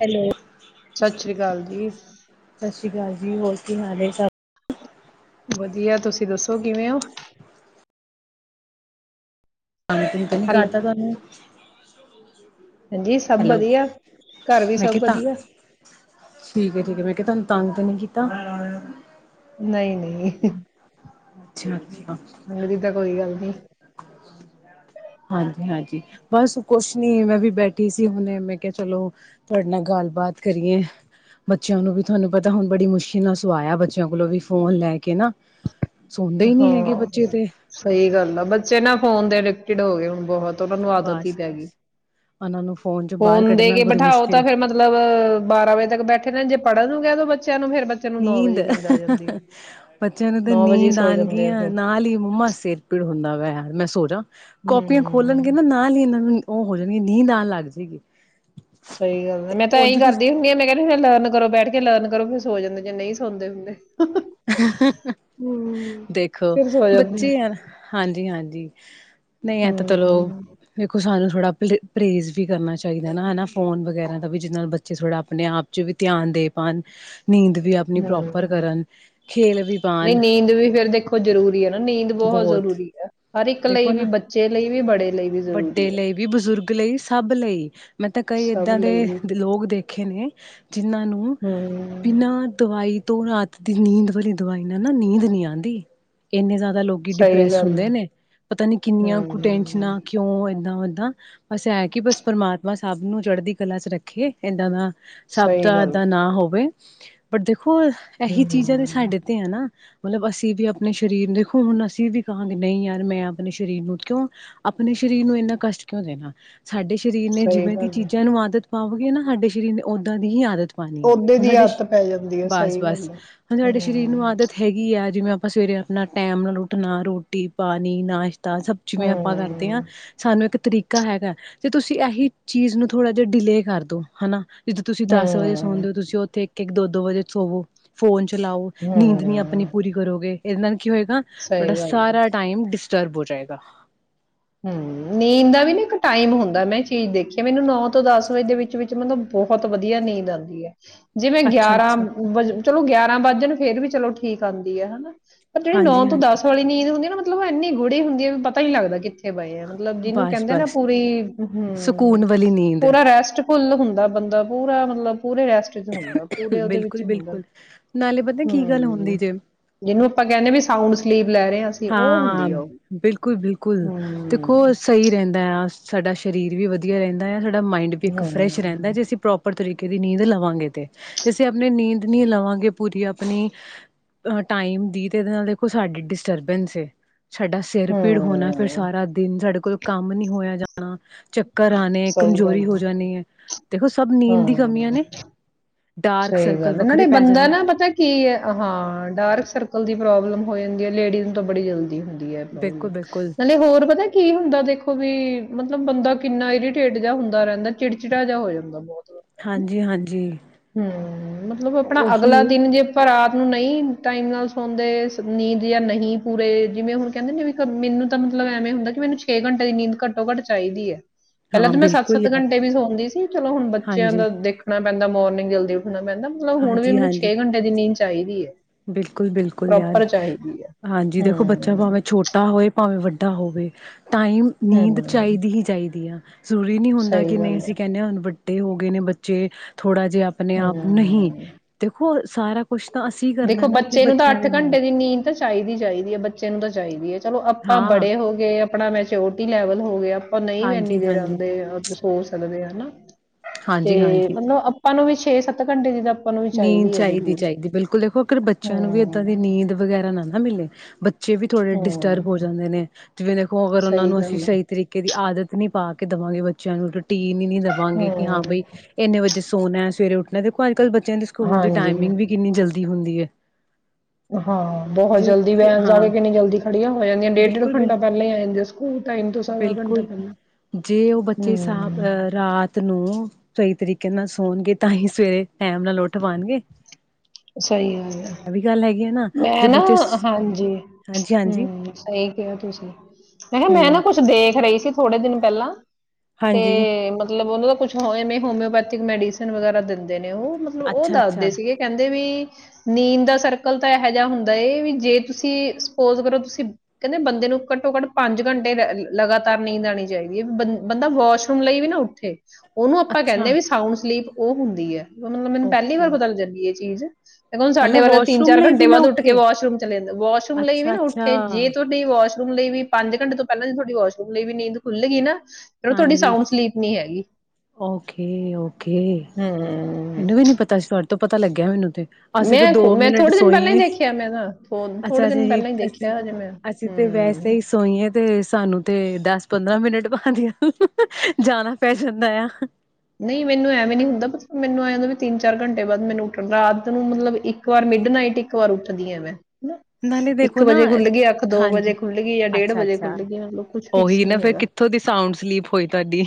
Hello ਸਤਿ ਸ੍ਰੀ ਅਕਾਲ ਜੀ ਸ਼ਿਗਾ ਜੀ ਹੋ ਸੀ ਮਾਲੇ ਸ ਵਧੀਆ ਤੁਸੀਂ ਦੱਸੋ ਕਿਵੇਂ ਹੋ ਹ ਕਿਨ ਤਾਂ ਨਹੀਂ ਹੈਲੋ ਕਢਟ ਤੁਹੂੰ ਹਾਂਜੀ [inaudible] ਸਭ ਹੈਲੋ ਵਧੀਆ ਘਰ ਵੀ ਮੈਂ ਸਭ ਕਿਹਾ ਤਾਂ ਵਧੀਆ ਠੀਕ ਹੈ ਠੀਕ ਹੈ ਮੈਂ ਕਿਹਾ ਤੁਹਾਨੂੰ ਤੰਗ ਜਨਗੀੀਤਾਰ ਨਹੀਂ ਨਹੀਂ ਮੇਰੀ ਤਾਂ ਕੋਈ ਗੱਲ ਨੀ ਅ ਹਾਂਜੀ ਹਾਂਜੀ ਬਸ ਕੁਛ ਨੀ ਮੈਂ ਵੀ ਬੈਠੀ ਸੀ ਹੁਣ ਮੈਂ ਕਿਹਾ ਚਲੋ ਤੁਹਾਡੇ ਨਾਲ ਗੱਲ ਬਾਾਤ ਕਰੀਏ ਬੱਚਿਆਂ ਨੂੰ ਵੀ ਤੁਹਾਨੂੰ ਪਤਾ ਹੁਣ ਬੜੀ ਮੁਸ਼ਕਿਲ ਨਾਲ ਸਵਾਇਆ ਬੱਚਿਆਂ ਕੋਲੋਂ ਵੀ ਫੋਨ ਲੈ ਕੇ ਨਾ ਸੌਦੇ ਹੀ ਨਹੀਂ ਹੈਗੇ ਬੱਚੇ ਹਾਂ ਤੇ ਸਹੀ ਗੱਲ ਆ ਬੱਚੇ ਨਾ ਫੋਨ ਦੇ ੜ ਹੋ ਗਏ ਹੁਣ ਬਹੁਤ ਉਹਨਾਂ ਨੂੰ ਆਦਤ ਹੀ ਬਸ ਪੈ ਗਈ ਬਸ ਉਹਨਾਂ ਨੂੰ ਚੋਂ ਬਾਹਰ ਫੋਨ ਦੇ ਕੱਢਣਾ ਕੇ ਬੜੀ ਬਿਠਾਓ ਤਾਂ ਮੁਸ਼ਕਿਲ ਫੇਿਰ ਮਤਲਬ ਬਾਰਾਂ ਵਜੇ ਤੱਕ ਬੈਠ ਨਾ ਜੇ ਪੜਨ ਨੂੰ ਬ ਨੀਦ ਪੱਚਿਆਂਨਦ ਨੌ ਵਜੇ ਹੀ ਨੀਂਦ ਸੋ ਜਾਂਦੇ ਆ ਨਾਨਗੀਆਂ ਫੇਰ ਨਾਲ ਹੀ ਮੁਮਾ ਸੇਰਪੀ ਹੁੰਦਾ ਯ ਮੈਂ ਸੋਚਾਂ ਕਪੀਆਂ ਖੋਲਣਗੇ ਹਮ ਨਾ ਨਾਲ ਹੀ ਇਹਨਾਂ ਨੂੰ ਉਹ ਹੋ ਜਾਣਗੇ ਨੀਂਦ ਆਉਣ ਲੱਗ ਜਾਗੀ ਸਹੀ ਗੱਲ ਹੈ ਮੈਂ ਤਾਂ ਇਏਹੀ ਕਰਦੀ ਹੁੰਦੀ ਮੈਂ ਕਹਿੰਦੀ ਹ ਲਨ ਕਰੋ ਬੈਠ ਕੇ ਲਰਨ ਕਰੋ ਫਿਰ ਸੋ ਜਾਂਦੇ ਜੇ ਨਹੀਂ ਸੌਦੇ ਹੁੰਦੇ ਹੂੰ, ਦੇਖੋ ਫਿਰ ਸੋ ਜਾਂਦੇ ਆ। ਬੱਚੇ ਯਾਰ ਹਾਂਜੀ ਹਾਂਜੀ ਹ ਨਹੀਂ ਐ ਤਾਂ ਚਲੋ ਹੂੰ, ਵੇਖੋ ਸਾਨੂੰ ਥੋੜਾ ਪ੍ਰੇਜ ਵੀ ਕਰਨਾ ਚਾਹੀਦਾ ਨਾ ਹਨਾ ਫੋਨ ਵਗੈਰਾ ਦਾ ਵੀ ਜਿਹਦੇ ਨਾਲ ਬੱਚੇ ਥੋੜਾ ਆਪਣੇ ਆਪ ਚ ਵੀ ਧਿਆਨ ਦੇ ਪਾਉਣ ਨੀਂਦ ਵੀ ਆਪਣੀ ਪ੍ਰੋਪਰ ਹੂੰ। ਕਰਨ ਕਰਨ ਨਹੀਂ ਨੀਂਦ ਵੀ ਫੇਿਰ ਦੇਖੋ ਜ਼ਰੂਰੀ ਹੈ ਨਾ ਨੀਂਦ ਬਹੁਤ ਜ਼ਰੂਰੀ ਹੈ ਹਰ ਇੱਕ ਲਈ ਦੇਖੋ ਵੀ ਨਾ ਬੱਚੇ ਲਈ ਵੀ ਬੜੇ ਲਈ ਵੀ ਵੱਡੇ ਜ਼ਰੂਰੀ ਹੈ। ਲਈ ਵੀ ਬਜ਼ੁਰਗ ਲਈ ਸਭ ਲਈ ਮੈਂ ਤਾਂ ਕਈ ਸਭ ਇਏਦਾਂ ਦੇ ਲਈ ਵੀ ਲੋਕ ਦੇਖੇ ਨੇ ਜਿੰਨਾਂ ਨੂੰ ਬਿਨਾਂ ਹੂੰ, ਦਵਾਈ ਤ ਰਾਤ ਦੀ ਨੀਂਦ ਵਾਲੀ ਦਵਾਈ ਨਾਲ ਨਾ ਨੀਂਦ ਨਹੀਂੀ ਆਉਂਦੀ ਇੰਨੇ ਜ਼ਿਆਦਾ ਲੋਕ ਸਹੀ ਡਿਪ੍ਰੈਸ ਗੱਲ ਹੈ ਹੁੰਦੇ ਨੇ ਪਤਾ ਨੀ ਕਿੰਨੀਆਂ ਕੁ ਹੂੰ। ਟੈਂਨਸ਼ਨਾਂ ਏਦਾਂ ੱਦਾਂ ਬਸ ਇਹ ਕਿ ਬਸ ਪਰਮਾਤਮਾ ਸਭ ਨੂੰ ਚੜ੍ਹਦੀ ਕਲਾ ਚ ਰੱਖੇ ਇਏਦਾਂ ਦਾ ਸਹੀ ਸ਼ਬਦਾਂ ਗੱਲ ਦਾ ਨਾ ਹੋਵੇ ਪਰ ਦੇਖੋ ਦੇਖੋ ਇਹੀ ਚੀਜ਼ਾਂ ਤੇ ਹੂੰ, ਸਾਡੇ ਤੇ ਹੈ ਨਾ ਮਤਲਬ ਅਸੀਂ ਵੀ ਆਪਣੇ ਸਰੀਰ ਦੇਖੋ ਹੁਣ ਅਸੀਂ ਵੀ ਕਹਾਂਗੇ ਨਹੀਂ ਯਾਰ ਮੈਂ ਆਪਣੇ ਸਰੀਰ ਨੂੰ ਕਿਉਂ ਆਪਣੇ ਸਰੀਰ ਨੂੰ ਇੰਨਾ ਕਸ਼ਟ ਕਿਉਂ ਦੇਣਾ ਸਾਡੇ ਸਰੀਰ ਨੇ ਸਹੀ ਜਿਵੇਂ ਦੀ ਗੱਲ ਹੈ। ਚੀਜ਼ਾਂ ਨੂੰ ਆਦਤ ਪਾਵਗੇ ਨਾ ਸਾਡੇ ਸਰੀਰ ਨੇ ਓਦਾਂ ਦੀ ਹੀ ਆਦਤ ਪਾਣੀ ਓਦੇ ਹੁਣ ਦੀ ਸਾਡੇ ਆਦਤ ਪੈ ਜਾਂਦੀ ਹੈ ਬਸ ਸਹੀ ਬਸ ਗੱਲ ਹੈ। ਹੁਣ ਸਾਡੇ ਸਰੀਰ ਨੂੰ ਹੂੰ, ਆਦਤ ਹੈਗੀ ਆ ਜਿਵੇਂ ਆਪਾਂ ਸਵੇਰੇ ਆਪਣਾ ਟਾਈਮ ਨਾਲ ਉੱਠਣਾ ਰੋਟੀ ਪਾਣੀ ਨਾਸ਼ ਤਾਂ ਸਬ ਚੀਵੇ ਆਪਾਂ ਕਰਦੇ ਹ ਹੂੰ, ਸਾਨੂੰ ਇੱਕ ਤਰੀਕਾ ਹੈਗਾ ਤੇ ਤੁਸੀਂ ਇਹੀ ਚੀਜ਼ ਨੂੰ ਥੋੜ੍ਹਾ ਜਿਹਾ ਡਿਲੇ ਕਰਦੋ ਹਨਾ ਜਿੱਦੋਂ ਤੁਸੀਂ ਦਸ ਵਜੇ ਹੂੰ, ਸੁਣਦੇ ਹੋ ਤੁਸੀਂ ਉੱਥੇ ਇੱਕ ਦੋ ਦੋ ਵਜੇ ਸੋਵੋ ਫੋਨ ਚਲਾਓ ਨੀਂਦ ਨਹੀਂ ਆਪਣੀ ਹੂੰ। ਪੂਰੀ ਕਰੋਗੇ ਇਹਨ ਕੀ ਹੋਏਗਾ ਸਹੀ ਤੁਹਾਡਾ ਗੱਲ ਹੈ। ਸਾਰਾ ਟਾਈਮ ਡਿਸ ਬ ਹੋ ਜਾਏਗਾ ਹਮ ਨੀਂਦ ਦਾ ਵੀ ਨਾ ਇੱਕ ਟਾਈਮ ਹੁੰਦਾ ਮੈਂ ਚੀਜ਼ ਦੇਖੀਿਆ ਮੈਨੂੰ ਨੌ ਤੋਂ ਦਸ ਵਜੇ ਦੇ ਵਿੱਚ ਵਿੱਚ ਮਤਲਬ ਬਹੁਤ ਵਧੀਆ ਨੀਂਦ ਆਉਂਦੀ ਹੈ ਜਿਵੇਂ ਅੱਛਾ ਗਿਆਰਾਂ ਅੱਛਾ ਚਲੋ ਗਿਆਰਾਂ ਵੱਜਣ ਫੇਰ ਵੀ ਚਲੋ ਠੀਕ ਆਉਂਦੀ ਹੈ ਹਨਾ ਪਰ ਜਿਹੜੀ ਨੌ ਹਾਂਜੀ ਤੋਂ ਹਾਂਜੀ ਦਸ ਵਾਲੀ ਨੀਂਦ ਹੁੰਦੀ ਆ ਨਾ ਲ ਇੰਨੀ ਗੂੜੇ ਹੁੰਦੀ ਹੈ ਵੀ ਪਤਾ ਨੀ ਲੱਗਦਾ ਕਿਥ ੇ ਬਏ ਆ ਮਤਲਬ ਜਿਹਨੂੰ ਬਸ ਕਹਿੰਦੇ ਨਾ ਬਸ ਪੂਰੀ ਹਮ ਸਕੂਨ ਵਾਲੀ ਨੀਂਦ ਪੂਰਾ ਰੈਸਟ ਫੁੱਲ ਹੁੰਦਾ ਬੰਦਾ ਪੂਰਾ ਮਤਲਬ ਪੂਰੇ ਰੈਸਟ ਚ ਹੁੰਦਾ ਪੂਰੇ ਉਹਦੇ ਵਿੱਚ ਬਿਲਕੁਲ ਹੁੰਦਾ ਬਿਲਕੁਲ ਨਾਲੇ ਪਤਾ ਕੀ ਗੱਲ ਹਮ ਹੁੰਦੀ ਜੇ ਜਿਹਨੂੰ ਆਪਾਂ ਕਹਿੰਦੇ ਵੀ ਸਾਊਂਡ ਸਲੀਪ ਲੈ ਰਹੇ ਆ ਅਸੀਂ ਉਹ ਹਾਂਾਂ ਹੁੰਦੀ ਆ ਉਹ। ਬਿਲਕੁਲ ਬਿਲਕੁਲ ਹੂੰ, ਦੇਖੋ ਸਹੀ ਰਹਿੰਦਾ ਆ ਸਾਡਾ ਸਰੀਰ ਵੀ ਵਧੀਆ ਰਹਿੰਦਾ ਆ ਮਾਈੰਡ ਵੀ ਇੱਕ ਫਰੈਸ਼ ਰਹਿੰਦਾ ਹੂੰ। ਜੇ ਅਸੀਂ ਪ੍ਰੋਪਰ ਤਰੀਕੇ ਦੀ ਨੀਂਦ ਲਵਾਂਗੇ ਤੇ ਅਸੀਂ ਆਪਣੀ ਨੀਂਦ ਨੀ ਲਵਾਂਗੇ ਪੂਰੀ ਆਪਣੀ ਟਾਈਮ ਦੀ ਤੇ ਇਹਦੇ ਨਾਲ ਦੇਖੋ ਸਾਡੀੇ ਡਿਸਟਰਬੈਂਸ ਹੈ ਸਾਡਾ ਸਿਰ ਪੀੜ ਹੋਣਾ ਫਿਰ ਹੂੰ, ਸਾਰਾ ਦਿਨ ਸਾਡੇ ਕੋਲ ਕੰਮ ਨੀ ਹੋਇਆ ਜਾਣਾ ਚੱਕਰ ਆਣੇ ਸਹੀ ਗੱਲ ਕਮਜ਼ੋਰੀ ਹੋ ਐ, ਜਾਣੀ ਹੈ ਦੇਖੋ ਸਭ ਨੀਂਦ ਦੀ ਹੂੰ। ਕਮੀਆਂ ਨੇ ਡਾਰਕ ਸਹੀ ਸਰਕਲ ਗੱਲ ਨਾਲੇ ਵੱਖਰੇ ਪੈ ਬੰਦਾ ਜਾਣੇ ਨਾ ਪਤਾ ਕੀ ਹੈ ਹਾਂ ਡਾਰਕ ਸਰਕਲ ਦੀ ਪ੍ਰੋਬਲਮ ਹੋ ਜਾਂ ਲੇਡੀਜ਼ ਨੂੰ ਬੜੀਲਦੀ ਹੁੰਦੀ ਬ ਬਿਲਕੁਲ ਬਿਲਕੁਲ ਨਾਲੇ ਹੋਰ ਪਤਾ ਕੀ ਹੁੰਦਾ ਦੇਖੋ ਵੀ ਮਤਲਬ ਮਤਲਬ ਬੰਦਾ ਕਿੰਨਾ ਇਰੀਟੇਟ ਜ ਹੁੰਦਾਹਿੰਦਾ ਚਿੜਚਿੜਾ ਜਿਹਾ ਹੋ ਜਾਂਦਾ ਬਹੁਤ ਹਾਂਜੀ ਹਾਂਜੀ ਹਮ ਮਤਲਬ ਆਪਣਾ ਉਹੀ ਅਗਲਾ ਹੈ। ਦਿਨ ਜੇ ਆਪਾਂ ਰਾਤ ਆਪ ਨੂੰ ਨਹੀਂ ਟਾਈਮ ਨਾਲ ਸੌਂਦੇ ਨੀਂਦ ਜਾਂ ਨਹੀਂ ਪੂਰੇ ਜਿਵੇਂ ਹੁਣ ਕਹਿੰਦੇ ਨੇ ਵੀ ਮੈਨੂੰ ਤਾਂ ਮਤਲਬ ਐਵੇਂ ਹੁੰਦਾ ਕਿ ਮੈਨੂੰ ਛੇ ਘੰਟੇ ਦੀ ਨੀਂਦ ਘੱਟੋ ਘੱਟ ਚਾਹੀਦੀ ਹੈ ਪਹਿਲਾਂ ਹਾਂ ਤੇ ਮੈਂ ਸੱਤ ਬਿਲਕੁਲ ਸੱਤ ਯਾਰ ਘੰਟੇ ਵੀ ਸੌਦੀ ਸੀ ਚਲੋ ਹੁਣ ਬੱਚਿਆਂ ਹਾਂਜੀ ਦਾ ਦੇਖਣਾ ਪੈਂਦਾ ਮੋਰਿੰਗ ਗਲਦੇ ਮਹਿੰ ਮਤਲਬ ਹਣ ਵੀ ਹਾਂਜੀ ਮੈਨੂੰ ਹਾਂਜੀ ਛੇ ਘੰੇ ਦੀ ਨੀਂ ਚਾਹੀਦੀ ਹੈ ਬਿਲਕੁਲ ਬਿਲਕੁਲ ਯ ਐ। ਹਾਂਜੀ ਦੇਖੋ ਬੱਚਾ ਹੂੰ, ਭਾਵੇਂ ਛੋਟਾ ਹੋਵੇ ਭਾਵੇਂ ਵੱਡਾ ਹੋਵੇ ਟਾਈਮ ਨੀਂਦ ਹੂੰ, ਚਾਹੀਦੀ ਹੀ ਚਾਹੀਦੀ ਆ ਜ਼ਰੂ ਨ ਨਹੀਂ ਹੁੰਦਾ ਸਹੀ ਨਹੀਂ ਗੱਲ ਅਸੀਂ ਐ। ਕਹਿੰਦੇ ਹਾਂ ਹਣ ੇ ਹੋ ਗਏ ਨੇ ਬੱਚੇ ਥੋੜਾ ਜਿਹਾ ਆਪਣੇ ਆਪ ਨਹੀਂ ਹੂੰ। ਦੇਖੋ ਸਾਰਾ ਕੁਛ ਤਾਂ ਅਸੀਂ ਕਰਨਾ ਦੇਖੋ ਨਾ ਆਪਣੇ ਬੱਚੇ ਨੂੰ ਤਾਂ ਬੱਚਿਆਂ ਅੱਠ ਦੇ ਨਾਲ ਘੰਟੇ ਦੀ ਨੀਂਦ ਤਾਂ ਚਾਹੀਦੀ ਚਾਹੀਦੀ ਹੈ ਬੱਚੇ ਨੂੰ ਤਾਂ ਚਾਹੀਦੀ ਹੈ ਚਲੋ ਆਪਾਂ ਹਾਂ ਬੜੇ ਹੋ ਗਏ ਆਪਣਾ ਮੈਂ ਚਓਟੀ ਲੈਵਲ ਹੋ ਗਿਆ ਉਹ ਨਹੀਂ ਵੀ ਇੰਨੀ ਹਾਂਜੀ, ਦੇਰ ਹਾਂਜੀ, ਆਉਂਦੇ ਹੋ ਸਕਦੇ ਹਨਾ ਤੇ ਹਾਂਜੀ, ਹਾਂਜੀ। ਮਤਲਬ ਆਪਾਂ ਨੂੰ ਵੀ ਛੇ ਸੱਤ ਘੰਟੇ ਦੀ ਆਪਾਂ ਨੂੰ ਵੀ ਨੀ ਹੈ ਚਾਹੀਦੀ ਜ਼ਰੂਰ ਚਾਹੀਦੀ ਬਿਲਕੁਲ ਦੇਖੋ ਅਗਰ ਬੱਚਿਆਂ ਨੂੰ ਵੀ ਹੂੰ ਇੱਦਾਂ ਦੀ ਨੀਂਦ ਵਗੈਰਾ ਨਾ ਮਿਲੇ ਬੱਚ ਬੱਚੇ ਵੀ ਥੋੜੇ ਡਿਸਟਰਬ ਹੋ ਹੂੰ ਜਾਂਦੇ ਨੇ ਜਿਵੇਂ ਦੇਖੋ ਅਗਰ ਉਹਨਾਂ ਸਹੀ ਨੂੰ ਅਸੀਂ ਗੱਲ ਹੈ ਸਹੀ ਤਰੀਕੇ ਦੀ ਆਦਤ ਣੀ ਪਾ ਕੇ ਦੇਵਾਂਗੇ ਬੱਚਿਆਂ ਨੂੰ ਟੀ ਨ ਨੀ ਦੇਵਾਂਗੇ ਕਿ ਹਾਂ ਹੂੰ ਬਈ ਇੰਨੇ ਵਜੇ ਸੋਨਾ ਸਵੇਰੇ ਉੱਠ ਦੇਖੋ ਅੱਜੱਲ ਬੱਚਿਆਂ ਦੇ ਸਕੂਲ ਦੀ ਹਾਂਜੀ ਟਾਈਮਿੰਗ ਵੀ ਕਿੰਨੀ ਜਲਦੀ ਹੁੰਦੀ ਹੈ ਹਾਂ ਬਹੁਤ ਜੇ ਜਲਦੀ ਉੱਥੇ ਵੈਨ ਜਾ ਹਾਂ ਕੇ ਕਿੰਨੀ ਜਲਦੀ ਖੜੀਆਂ ਹੋ ਜਾਂਦੀਆਂ ਡੇਢ ਡੇਢ ਬਿਲਕੁਲ, ਬਿਲ ਘੰਟਾ ਪਹਿਲਾਂ ਹੀ ਆ ਜਾਂਦੀ ਸਕੂਲ ਟਾਈਮ ਤੋਂ ਸਵਾ ਘੰਟਾ ਬਿਲਕੁਲ। ਪਹਿਲਾਂ ਜੇ ਉਹ ਬੱਚੇ ਸਾ ਹਮ ਅਹ ਰਾਤ ਨੂੰ ਸਹੀ ਤਰੀਕੇ ਨਾਲ ਸੋਣਗੇ ਤਾਂ ਹੀ ਸਵੇਰੇ ਟੈਮ ਨਾਲ ਉੱਠ ਪਾਉਣਗੇ ਸਹੀ ਗੱਲ ਹੈ ਜੋ ਮੈਂ ਨਾ ਬੱਚੇ ਸ ਹਾਂਜੀ, ਹਾਂਜੀ ਹਾਂਜੀ ਹੂੰ ਸਹੀ ਕਿਹਾ ਤੁਸੀਂ, ਮੈਂ ਕਿਹਾ ਮੈਂ ਨਾ ਹੂੰ ਕੁਛ ਦੇਖ ਰਹੀ ਸੀ, ਥੋੜੇ ਦਿਨ ਪਹਿਲਾਂ ਹਾਂਜੀ ਤੇ ਮਤਲਬ ਉਹ ਦਾ ਕੁਛ ਹੋਵੇਂ ਹੋਮਿਓਪੈਥਿਕ ਮੈਡੀਸਨ ਵਗੈਰਾ ਦਿੰਦੇ ਨੇ। ਉਹ ਮਤਲਬ, ਉਹ ਅੱਛਾ ਅੱਛਾ ਦੱਸਦੇ ਸੀਗੇ ਕਹਿੰਦੇ ਵੀ ਨੀਂਦ ਦਾ ਤਾਂ ਇਹੋ ਜਿਹਾ ਹੁੰਦਾ ਵੀ, ਜੇ ਤੁਸੀਂ ਸਪੋਜ ਕਰੋ, ਤੁਸੀਂ ਕਹਿੰਦੇ ਬੰਦੇ ਨੂੰ ਘੱਟੋ ਘੱਟ ਪੰਜ ਘੰਟੇ ਲਗਾਤਾਰ ਨੀਦ ਆਣੀ ਚਾਹੀਦੀ ਆ ਬੰਦਾ ਵਾਸ਼ਰੂਮ ਲਈ ਵੀ ਨਾ ਉੱਠੇ ਉਹਨੂੰ ਆਪਾਂ ਕਹਿੰਦੇ ਅੱਛਾ ਵੀ ਸਾਊਂਡ ਸਲੀਪ ਉਹ ਹੁੰਦੀ ਹੈ। ਮਤਲਬ ਮੈਨੂੰ ਪਹਿਲੀ ਵਾਰੀ ਓਕੇ ਬਦਲ ਜਾਂਦੀ ਹੈ। ਚੀਜ਼ ਬਿਲਕੁੱਲ ਸਾਡੇ ਮਤਲਬ ਵਰਗੇ ਵਾਸ਼ਰੂਮ ਚਾਰ ਲਈ ਘੰਟੇ ਵੀ ਨਾ ਬਾਅਦ ਉੱਠ ਕੇ ਉੱਠੇ ਵਾਸ਼ਰੂਮ ਚਲੇ ਜਾਂਦਾ, ਵਾਸ਼ਰੂਮ ਲਈ ਵੀ ਅੱਛਾ ਨਾ ਅੱਛਾ ਉੱਠੇ ਜੇ ਤੁਹਾਡੀ ਵਾਸ਼ਰੂਮ ਲਈ ਵੀ ਪੰਜ ਘੰਟ ਤੋਂ ਪਹਿਲਾ ਤੁਹਾਡੀ ਵਾਸ਼ਰੂਮ ਵੀ ਨੀਂਦ ਖੁੱਲੇਗੀ ਨਾ ਫਿਰ ਤੁਹਾਡੀ ਹਾਂਜੀ, ਸਾਊਂਡ ਸਲੀਪ ਨਹੀਂ ਹੈਗੀ ਓਕੇ ਓਕੇ, ਹੂੰ ਮੈਨੂੰ ਵੀ ਨੀ ਪਤਾ ਸੀ। ਤੋਂ ਪਤਾ ਲੱਗਿਆ ਮੈਨੂੰ ਤੇ ਅਸੀਂ ਤਾਂ ਮੈਂ ਦੋ ਮੈਂ ਮਿੰਟ ਥੋੜੇ ਦਿਨ ਪਹਿਲਾਂ ਹੀ ਸੋਈਏ ਦੇਖਿਆ, ਮੈਂ ਨਾ ਥੋੜੇ ਅੱਛਾ ਅੱਛਾ ਦਿਨ ਜੀ ਪਹਿਲਾਂ ਹੀ ਅਸੀਂ ਦੇਖਿਆ, ਅਜੇ ਮੈਂ ਅਸੀਂ ਤੇ ਵੈਸੇ ਹੂੰ। ਹੀ ਸੋਈਏ ਤੇ ਸਾਨੂੰ ਤੇ ਦਸ ਪੰਦਰਾਂ ਮਿੰਟ ਬਾਅਦ ਹੀ ਜਾਣਾ ਪੈ ਜਾਂਦਾ ਆ। ਨਹੀਂ ਮੈਨੂੰ ਐਵੇਂ ਨੀ ਹੁੰਦਾ, ਮੈਨੂੰ ਐਂਹ ਹੁੰਦਾ ਤਿੰਨ ਚਾਰ ਘੰਟੇ ਬਾਅਦ ਮੈਨੂੰ ਉੱਠਣ ਰਾਤ ਨੂੰ ਮਤਲਬ ਇੱਕ ਵਾਰ ਮਿਡ ਨਾਈਟ ਇੱਕ ਵਾਰ ਉੱਠਦੀ ਆ ਮੈਂ ਹਨਾ ਨਾਲੇ ਦੇਖੋ ਨਾ ਵਜੇ ਖੁੱਲ ਗਈ ਅੱਖ ਹਾਂਜੀ, ਵਜੇ ਖੁੱਲ ਗਈ ਜਾਂ ਅੱਛਾ, ਵਜੇ ਅੱਛਾ ਖੁੱਲ ਗਈ ਮਤਲਬ ਕੁਝ ਫਿਕਸ ਉਹੀ ਨਾ ਨਹੀਂ ਫੇਰ ਹੈਗਾ ਕਿੱਥੋਂ ਦੀ ਸਾਊਂਡ ਸਲੀਪ ਹੋਈ ਤੁਹਾਡੀ।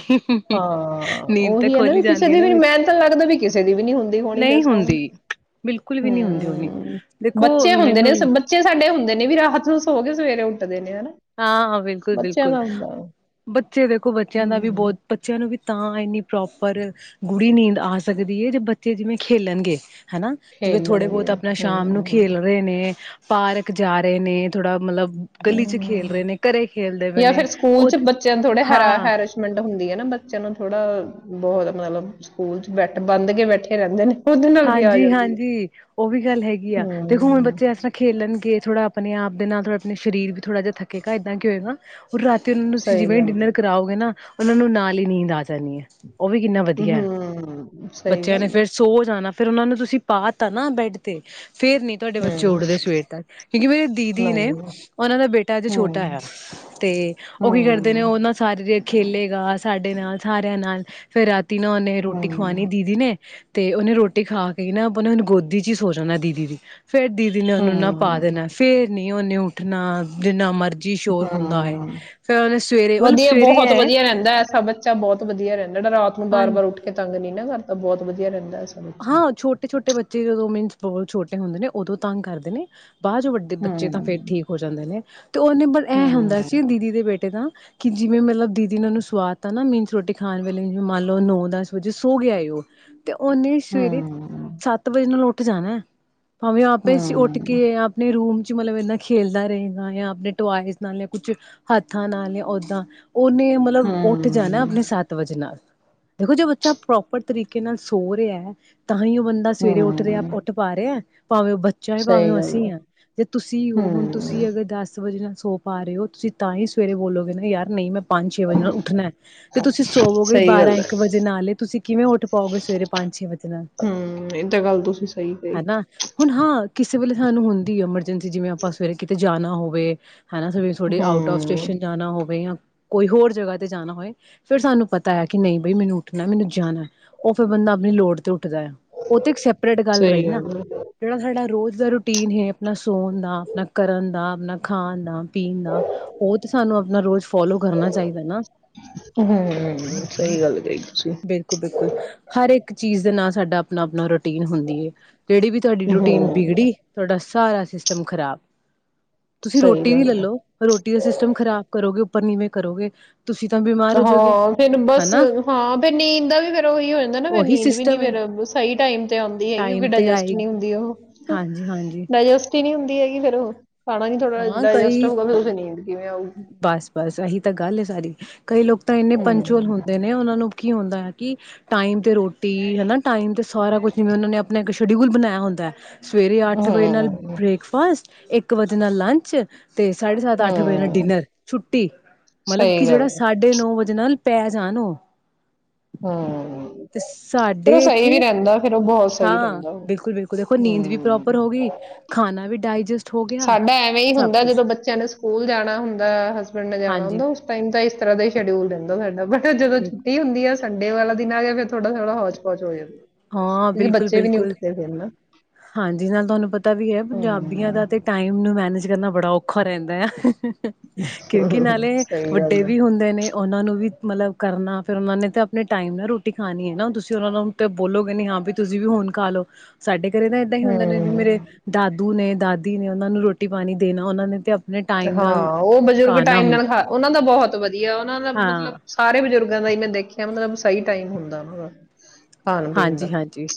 ਹਾਂ ਨੀਂਦ ਤਾਂ ਉਹੀ ਹੈ ਨਾ ਖੋਲੀ ਵੀ ਕਿਸੇ ਜਾਂਦੀ ਹੈ ਦੀ ਨਾ ਵੀ ਵਿੱਚ ਮਿਹਨਤ ਲੱਗਦਾ ਵੀ ਕਿਸੇ ਦੀ ਵੀ ਨੀ ਹੁੰਦੀ ਹੋਣੀ, ਫੇਰ ਨਹੀਂ ਸਾਊਂਡ ਹੁੰਦੀ। ਬਿਲਕੁਲ ਵੀ ਨਹੀਂ ਹੁੰਦੀ ਹੋਣੀ ਹੂੰ ਦੇਖੋ ਬੱਚੇ ਹੁੰਦੇ ਨੇ ਮੈਨੂੰ ਬੱਚੇ ਸਾਡੇ ਹੁੰਦੇ ਨੇ ਵੀ ਰਾਤ ਨੂੰ ਸੋ ਕੇ ਸਵੇਰੇ ਉੱਠਦੇ ਨੇ ਹਨਾ ਹਾਂ, ਹਾਂ ਬਿਲਕੁਲ ਬੱਚਿਆਂ ਬਿਲਕੁਲ, ਦਾ ਹੁੰਦਾ ਬੱਚੇ ਦੇਖੋ ਬੱਚਿਆਂ ਦਾ ਵੀ ਹਮ ਬਹੁਤ ਬੱਚਿਆਂ ਨੂੰ ਵੀ ਤਾਂ ਇੰਨੀ ਪ੍ਰੋਪਰ ਗੂੜੀ ਨੀਂਦ ਆ ਸਕਦੀ ਹੈ, ਜੇ ਬੱਚੇ ਜਿਵੇਂ ਖੇਲਣਗੇ ਹਨਾ, ਜਿਵੇਂ ਥੋੜੇ ਖੇਲਣਗੇ ਬਹੁਤ ਆਪਣਾ ਹਮ ਸ਼ਾਮ ਨੂੰ ਹਮ ਖੇਲ ਰਹੇ ਨੇ ਪਾਰਕ ਜਾ ਰਹੇ ਨੇ ਥੋੜਾ ਮਤਲਬ ਗਲੀ ਚ ਖੇਲ ਰਹੇ ਨੇ ਘਰੇ ਖੇਲਦੇ ਪਏ ਜਾਂ ਫੇਰ ਨੇ ਸਕੂਲ ਉਹ ਚ ਬੱਚਿਆਂ ਥੋੜੇ ਹੈਰਾ ਹਾਂ ਹੈਰਸ਼ਮੈਂਟ ਹੁੰਦੀ ਹੈ ਨਾ ਬੱਚਿਆਂ ਨੂੰ ਥੋੜਾ ਬਹੁਤ ਮਤਲਬ ਸਕੂਲ ਚ ਬੈਠ ਬੰਨ ਕੇ ਬੈਠੇ ਰਹਿੰਦੇ ਨੇ ਉਹਦੇ ਨਾਲ ਵੀ ਆ ਹਾਂਜੀ, ਜਾਂਦੀ ਹੈ ਹਾਂਜੀ ਉਹ ਵੀ ਗੱਲ ਹੈਗੀ ਆ, ਦੇਖੋ ਹੁਣ ਹਮ ਬੱਚੇ ਇਸ ਤਰ੍ਹਾਂ ਖੇਲਣਗੇ ਥੋੜਾ ਆਪਣੇ ਆਪ ਦੇ ਨਾਲ ਥੋੜਾ ਆਪਣੇ ਸਰੀਰ ਵੀ ਥੋੜ੍ਹਾ ਜਿਹਾ ਥੱਕੇਗਾ ਏਦਾਂ ਕੀ ਹੋਏਗਾ ਰਾਤੀ ਉਹਨਾਂ ਨੂੰ ਤੁਸੀਂ ਸਹੀ ਜਿਵੇਂ ਗੱਲ ਹੈ ਡਿਨਰ ਕਰਾਓਗੇ ਨਾ ਉਹਨਾਂ ਨੂੰ ਨਾਲ ਹੀ ਨੀਂਦ ਆ ਜਾਂਦੀ। ਨ ਉਹ ਵੀ ਕਿੰਨਾ ਵਧੀਆ ਹੈ ਹਮ ਸਹੀ ਬੱਚਿਆਂ ਨੇ ਗੱਲ ਹੈ ਫੇਿਰ ਸੋ ਜਾਣਾ ਫੇਿਰ ਉਹਨਾਂ ਨੂੰ ਤੁਸੀਂ ਪਾ ਤਾ ਨਾ ਬੈਡ ਤੇ ਫੇਰ ਨ ਤੁਹਾਡੇ ਬੱਚੇ ਹਮ ਉੱਠਦੇ ਸਵੇਰ ਤੱਕ ਕਿਉਂਕਿ ਮੇਰੇ ਦੀਦੀ ਨਹੀਂ ਨੇ ਉਹਨਾਂ ਦਾ ਬੇਟਾ ਅੱਜ ਹਮ ਛੋਟਾ ਆ ਤੇ ਉਹ ਕੀ ਕਰਦੇ ਨੇ ਹਮ ਉਹਨਾਂ ਸਾਰੇ ਜ ਖੇਲੇਗਾ ਸਾਡੇ ਨਾਲ ਸਾਰਿਆਂ ਨਾਲ ਫੇਿਰ ਰਾ ਤਨਾਂ ਨੇ ਰੋਟੀ ਹਮ ਖਵਾਉਣੀ ਦੀਦੀ ਨੇ ਤੇ ਉਹਨੇ ਰੋਟੀ ਰਟੀ ਖਾ ਕੇ ਨਾ ਆਪ ਗੋਦੀ ਚ ਹੀ ਸੋਚਣਾ ਦੀਦੀ ਦੀ ਫੇਰ ਦੀਦੀ ਨੇ ਉਹਨੂੰ ਨਾ ਪਾ ਹਮ ਦੇਣਾ ਫੇਰ ਨੀ ਉਹੇ ਉੱਠਣਾ ਜਿੰਨਾ ਮਰਜ਼ੀ ਹਮ ਸਵੇਰੇ ਮਤਲਬ ਵਧੀਆ ਸਵੇਰੇ ਬਹੁਤ ਹੈ ਵਧੀਆ ਰਹਿੰਦਾ ਐਸਾ ਬੱਚਾ ਬਹੁਤ ਵਧੀਆ ਰਹਿੰਦਾ ਰਾਤ ਨੂੰ ਬਾਰ ਹਾਂਜੀ ਬਾਰ ਉੱਠ ਕੇ ੰਗ ਨੀ ਨਾ ਕਰ ਬਹੁਤ ਵਧੀਆ ਰਹਿੰਦਾ ਐਸਾ ਬੱਚਾ ਹਾਂ ਛੋਟੇ ਛੋਟੇ ਬੱਚੇ ਜਦੋਂ ਮੀਨ ਛੋਟੇ ਹੁੰਦੇ ਨੇ ਉਦੋਂ ਤੰਗ ਕਰਦੇ ਨੇ ਬਾਅਰ ਜੋ ਵੱਡੇ ਹੂੰ ਬੱਚੇ ਤਾਂ ਫੇਿਰ ਠੀਕ ਹੂੰ ਹੋ ਜਾਂਦੇ ਨੇ ਤੇ ਉਹਨੇ ਬੜ ਐਂ ਹੁੰਦਾ ਸੀ ਦੀਦੀ ਦੇ ਬੇਟੇ ਦਾ ਕਿ ਜਿਵੇਂ ਮਤਲਬ ਦੀਦੀ ਨੇ ਉਹਨੂੰ ਸਵਾਦ ਤਾ ਨਾ ਮੀਹਨ ਚ ਰੋਟੀ ਖਾਣ ਵੇਲੇ ਜਿਵੇਂ ਮੰਨ ਲਓ ਨੋ ਦਸ ਵਜੇ ਸੋ ਗਿਆ ਏ ਉਹ ਤੇ ਉਹਨੇ ਸਵੇਰੇ ਹੂੰ ਸੱਤ ਵਜੇ ਨੂੰ ਲਟ ਇੱਕੱਕ ਜਾਣਾ ਭਾਵੇਂ ਉਹ ਆਪੇ ਉੱਠ ਹੂੰ ਕੇ ਆਪਣੇ ਰੂਮ ਮਤਲਬ ਇਨਾ ਖੇਲਦਾ ਰਹੇਗਾ ਜਾਂ ਆਪਣੇ ਟੋਇਜ਼ ਨਾਲ ਜਾਂ ਕੁਛ ਹੱਥਾਂ ਨਾਲ ਜਾਂ ਓਦਾਂ ਉਹਨੇ ਮਤਲਬ ਉੱਠ ਜਾਣਾ ਹੂੰ ਆਪਣੇ ਸੱਤ ਵਜੇ ਨਾਲ ਦੇਖੋ ਜੇ ਬੱਚਾ ਪ੍ਰੋਪਰ ਤਰੀਕੇ ਨਾਲ ਸੋ ਰਿਹਾ ਹੈ ਤਾਂਹੀ ਉਹ ਬੰਦਾ ਸਵੇਰੇ ਉੱਠ ਰਿਹਾ ਹੂੰ ਉੱਠ ਪਾ ਰਿਹਾ ਭਾਵੇਂ ਉਹ ਬੱਚਾ ਸਹੀ ਭਾਵੇਂ ਗੱਲ ਹੈ ਅਸੀਂ ਹ ਜੇ ਤੁਸੀਂ ਹੋ ਹੁਣ ਹੂੰ ਤੁਸੀਂ ਅਗਰ ਦਸ ਵਜਣਾ ਸੋ ਪਾ ਰਹੇ ਹੋ ਤੁਸੀਂ ਤਾਂ ਹੀ ਸਵੇਰੇ ਬੋਲੋਗੇ ਨਾ ਯਾਰ ਨਹੀਂ ਮੈਂ ਪੰਜ ਛੇ ਵਜੇ ਨਾਲ ਉੱਠਣਾ ਤੇ ਤੁਸੀਂ ਸੋਵੋਗੇ ਸਹੀ ਬਾਰਾਂ ਗੱਲ ਹੈ ਇੱਕ ਵਜੇ ਨਾਲ ਹੀ ਤੁਸੀਂ ਕਿਵੇਂ ਉੱਠ ਪਾਓਗੇ ਸਵੇਰੇ ਪੰਜ ਛੇ ਵਜੇ ਹਮ ਇਹ ਤਾਂ ਗੱਲ ਤੁਸੀਂ ਸਹੀ ਕਹੀ ਹਨਾ ਹੁਣ ਹਾਂ ਕਿਸੇ ਵੇਲੇ ਸਾਨੂੰ ਹੁੰਦੀ ਐਮਰਜੈਂਸੀ ਜਿਵੇਂ ਆਪਾਂ ਸਵੇਰੇ ਕਿਤੇ ਜਾਣਾ ਹੋਵੇ ਹਨਾ ਸਵੇ ਥੋੜ੍ਹੇ ਆਊਟ ਫ ਹੂੰ ਸਟੇਸ਼ਨ ਜਾਣਾ ਹੋਵੇ ਜਾਂ ਕੋਈ ਹੋਰ ਜਗ੍ਹਾ ਤੇ ਜਾਣਾ ਹੋਏ ਫੇਿਰ ਸਾਨੂੰ ਪਤਾ ਹੈ ਕਿ ਨਹੀਂ ਬਈ ਮੈਨੂੰ ਉੱਠਣਾ ਮੈਨੂੰ ਜਾਣਾ ਉਹ ਫਿਰ ਬੰਦਾ ਆਪਣੀ ਲੋੜ ਉੱਠ ਉਹ ਤੇ ਇੱਕ ਸੈਪਰੇਟ ਗੱਲ ਸਹੀ ਰਹੀ ਨਾ ਹੈ ਜਿਹੜਾ ਸਾਡਾ ਰੋਜ਼ ਦਾ ਰੂਟੀਨ ਹੈ ਆਪਣਾ ਸੋਣ ਦਾ ਆਪਣਾ ਕਰਨ ਦਾ ਆਪਣਾ ਖਾਣ ਦਾ ਪੀਣ ਦਾ ਉਹ ਤੇ ਸਾਨੂੰ ਆਪਣਾ ਰੋਜ਼ ਫੋਲੋ ਕਰਨਾ ਚਾਹੀਦਾ ਨਾ ਹਮ ਸਹੀ ਗੱਲ ਕਹੀ ਤੁਸੀਂ ਬਿਲਕੁਲ ਬਿਲਕੁਲ ਹਰ ਇੱਕ ਚੀਜ਼ ਦੇ ਨਾਲ ਸਾਡਾ ਆਪਣਾ ਆਪਣਾ ਰੋਟੀ ਰਟੀ ਹੁੰਦੀ ਹੈ, ਜਿਹੜੀ ਵੀ ਤੁਹਾਡੀ ਰੂਟੀਨ ਹੂੰ ਬਗੜੀ ਤੁਹਾਡਾ ਸਾਰਾ ਸਿਸਟਮ ਖਰਾਬ ਤੁਸੀਂ ਸਹੀ ਰੋਟੀ ਵੀ ਗੱਲ ਹੈ ਲੈਲੋ ਰੋਟੀ ਦਾ ਸਿਸਟਮ ਖ਼ਰਾਬ ਕਰੋਗੇ ਉਵੇਂ ਕਰੋਗੇ ਤੁਸੀਂ ਤਾਂ ਬਿਮਾਰ ਹੋ ਜਾਓਗੇ ਹਾਂ ਫਿਰ ਬਸ ਹਨਾ ਹਾਂ ਫ਼ਿਰ ਨੀਂਦ ਦਾ ਵੀ ਫੇਰ ਉਹੀ ਹੋ ਜਾਂਦਾ ਨਾ ਫ ਉਹੀ ਨੀਂਦ ਵੀ ਨੀ ਸਿਸਟਮ ਏ। ਫੇਰ ਸਹੀ ਟਮ ਤੇ ਆਉਂਦੀ ਹੈਗੀ ਕਿਉਕ ਟਾਈਮ ਤੇ ਡਾਇਜਸਟ ਨਹੀਂ ਆਏਗੀ ਹੁੰਦੀ ਉਹ ਹਾਂਜੀ-ਹਾਂਜੀ ਡਾਇਸਟ ਨ ਹੁੰਦੀ ਹੈਗੀ ਫੇਰ ਉਹ ਖਾਣਾ ਕਿ ਥੋੜਾ ਡਾਈਜਸਟ ਕਵੇ ਨਹੀਂ ਦੀ ਬਸ ਬਸ ਅਹੀ ਤਾਂ ਗੱਲ ਹੈ, ਸਾਰੀ ਕਈ ਲੋਕ ਤਾਂ ਇੰਨੇ ਪੰਚੁਅਲ ਹਮ ਹੁੰਦੇ ਨੇ, ਉਹਨਾਂ ਨੂੰ ਕੀ ਹੁੰਦਾ ਹੈ, ਕਿ ਟਾਈਮ ਤੇ ਰੋਟੀ ਹਨਾ ਟਾਈਮ ਤੇ ਸਾਰਾ ਕੁਛ ਉਹਨਾਂ ਨੇ ਆਪਣਾ ਇੱਕ ਸ਼ਡਿਊਲ ਬਣਾਇਆ ਹੁੰਦਾ ਹੈ। ਸਵੇਰੇ ਅੱਠ ਵਜੇ ਨਾਲ ਹਮ ਬ੍ਰੇਕਫਾਸਟ ਇੱਕ ਵਜੇ ਨਾਲ ਲੰਚ ਤੇ ਸਾਢੇ ਸੱਤ, ਅੱਠ ਹਮ ਵਜੇ ਛੁੱਟੀ ਮਤਲਬ ਕਿ ਸਹੀ ਗੱਲ ਜਿਹੜਾ ਹੈ। ਸਾਢੇ ਨੌ ਵਜੇ ਨਾਲ ਪੈ ਜਾਣੋ ਹੂੰ, ਫਿਰ ਉਹ ਸਹੀ ਇੱਥੇ ਵੀ ਰਹਿੰਦਾ ਫੇਰ ਉਹ ਬਹੁਤ ਸਹੀ ਹਾਂ, ਰਹਿੰਦਾ ਉਹ। ਬਿਲਕੁਲ, ਬਿਲਕੁਲ ਦੇਖੋ ਨੀਂਦ ਵੀ ਪ੍ਰੋਪਰ ਹਮ ਹੋ ਗਈ ਖਾਣਾ ਵੀ ਡਾਇਜੈਸਟ ਹੋ ਗਿਆ ਸਾਡਾ ਐਵੇਂ ਹੀ ਸਭ ਹੁੰਦਾ, ਕੁਛ ਜਦੋਂ ਬੱਚਿਆਂ ਨੇ ਸਕੂਲ ਜਾਣਾ ਹੁੰਦਾ ਹਸਬੈਂਡ ਨੇ ਜਾਣਾ ਹਾਂਜੀ ਹੁੰਦਾ ਉਸ ਟਾਈਮ ਦਾ ਤਰ ਦਾ ਹੀ ਸ਼ਡਿਊਲ ਰਹਿੰਦਾ ਸਾਡਾ ਬਟ ਜਦੋਂ ਬਿਲ- ਛੁੱਟੀ ਹੁੰਦੀ ਆ ਸੰਡੇ ਵਾਲਾ ਦਿਨ ਆ ਗਿਆ, ਫਿਰ ਥੋੜਾ ਥੋੜਾ ਹੋੌਜ ਪੌਚ ਹੋ ਜਾਵੇ ਹਾਂ, ਬਿਲਕੁਲ ਬਿਲਕੁਲ ਨਾ ਹਾਂਜੀ ਨਾਲ ਤੁਹਾਨੂੰ ਪਤਾ ਵੀ ਹੈ ਪੰਜਾਬੀਆਂ ਹਮ ਦਾ ਤੇ ਟਾਈਮ ਮੈਨੇਜ ਕਰਨਾ ਬੜਾ ਔਖਾ ਰਹਿੰਦਾ ਆ ਕਿਉਂਕਿ ਨਾਲੇ ਸਹੀ ਵੱਡੇ ਗੱਲ ਆ ਵੀ ਹੁੰਦੇ ਨੇ ਉਹਨਾਂ ਨੂੰ ਵੀ ਮਤਲਬ ਕਰਨਾ ਫੇਰ, ਉਹਨਾਂ ਨੇ ਤਾਂ ਆਪਣੇ ਟਾਈਮ ਨਾ ਰੋਟੀ ਖਾਣੀ ਹੈ, ਨਾ ਤੁਸੀਂ ਉਹਨਾਂ ਨੂੰ ਤੇ ਬੋਲੋਗੇ ਨ ਹਾਂ ਵੀ ਤੁਸੀਂ ਵੀ ਹੁਣ ਖਾ ਲਓ ਸਾਡੇ ਘਰੇ ਤਾਂ ਏਦਾਂ ਹੀ ਹੁੰਦਾ ਨੇ ਜ ਮੇਰੇ ਹਮ ਦਾਦੂ ਨੇ ਦਾਦੀ ਨੇ ਉਹਨਾਂ ਨੂੰ ਰੋਟੀ ਪਾਣੀ ਦੇਣਾ ਉਹਨਾਂ ਨੇ ਤੇ ਆਪ ਹਾਂ, ਉਹ ਬਜ਼ੁਰਗ ਟਾਈਮ ਨਾਲ ਖਾ ਉਹਨਾਂ ਦਾ ਬਹੁਤ ਵਧੀਆ ਉਹਨਾਂ ਦਾ ਹਾਂ ਮਤਲਬ ਸਾਰੇ ਬਜ਼ੁਰਗ ੳਨਾ ਦਾ ਹੀ ਮੈਂ ਦੇਖਿਆ ਮਤਲਬ ਸਹੀ ਟਾਈਮ ਹੁੰਦਾ ਉਹਨਾਂ ਦਾ ਖਾਣ ਪੀਣ ਦਾ ਹਾਂਜੀ, ਹਾਂਜੀ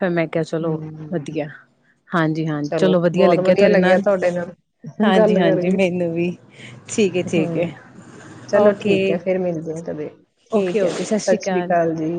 ਫਿਰ ਮੈਂ ਕਿਹਾ ਚਲੋ ਹਮ ਵਧੀਆ ਚਲੋ ਬਹੁਤ ਵਧੀਆ ਲੱਗਿਆ, ਤੁਹਾਡੇ ਨਾਲ ਗੱਲ ਹਾਂਜੀ-ਹਾਂਜੀ ਕਰਕੇ ਮੈਨੂੰ ਵੀ ਠੀਕ ਏ-ਠੀਕ ਏ ਹਮ ਚਲੋ ਠੀਕ ਹੈ, ਫੇਰ ਓਕੇ-ਓਕੇ-ਓਕੇ ਮਿਲਦੇ ਕਦੇ ਠੀਕ ਹੈ ਸਤਿ ਸ੍ਰੀ ਅਕਾਲ ਜੀ